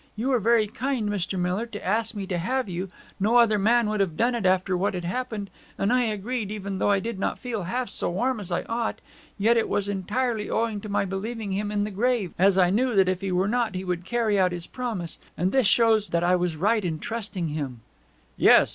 You were very very kind, Mr. Miller, to ask me to have you; no other man would have done it after what had happened; and I agreed, even though I did not feel half so warm as I ought. Yet it was entirely owing to my believing him in the grave, as I knew that if he were not he would carry out his promise; and this shows that I was right in trusting him.' 'Yes ...